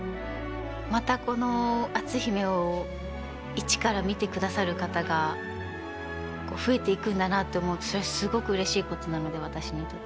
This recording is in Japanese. またこの「篤姫」を一から見てくださる方が増えていくんだなって思うとそれはすごくうれしいことなので私にとって。